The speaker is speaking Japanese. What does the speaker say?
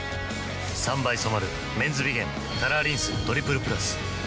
３倍染まる「メンズビゲンカラーリンストリプルプラス」